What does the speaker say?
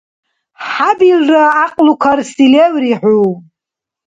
ХӀябилра гӀякьлукарси леври хӀу.